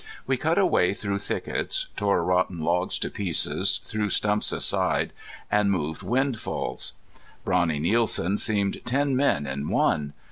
We cut a way through thickets, tore rotten logs to pieces, threw stumps aside, and moved windfalls. Brawny Nielsen seemed ten men in one!